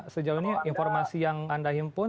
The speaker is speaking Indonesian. sejauh ini informasi yang anda himpun